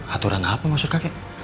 aturan apa maksud kakek